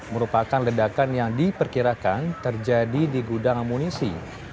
merupakan ledakan yang diperkirakan terjadi di gudang amunisi